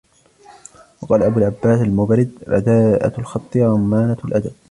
وَقَالَ أَبُو الْعَبَّاسِ الْمُبَرِّدُ رَدَاءَةُ الْخَطِّ زَمَانَةُ الْأَدَبِ